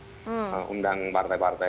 untuk mengundang partai partai